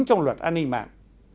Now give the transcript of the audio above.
trong luật an ninh mạng